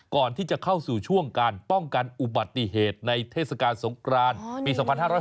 ก่อนที่จะเข้าสู่ช่วงการป้องกันอุบัติเหตุในเทศกาลสงครานปี๒๕๖๒